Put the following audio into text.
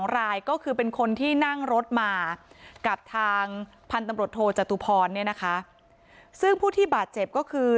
รายก็คือเป็นคนที่นั่งรถมากับทางพันธมรดโธจตุพรซึ่งผู้ที่บาดเจ็บก็คือ